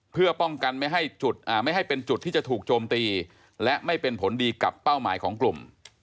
เพื่อป้องกันไม่ให้จุดไม่ให้เป็นจุดที่จะถูกโจมตีและไม่เป็นผลดีกับเป้าหมายของกลุ่ม